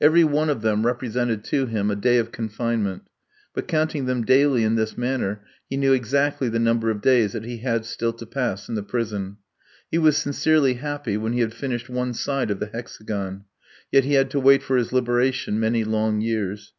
Every one of them represented to him a day of confinement; but, counting them daily in this manner, he knew exactly the number of days that he had still to pass in the prison. He was sincerely happy when he had finished one side of the hexagon; yet he had to wait for his liberation many long years.